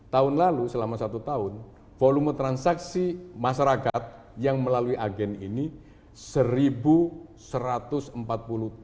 tahun lalu selama satu tahun volume transaksi masyarakat yang melalui agen ini rp satu satu ratus empat puluh triliun